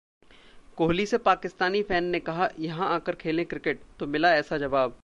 कोहली से पाकिस्तानी फैन ने कहा- यहां आकर खेलें क्रिकेट, तो मिला ऐसा जवाब